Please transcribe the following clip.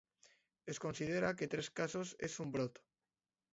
Es considera que tres casos és un brot.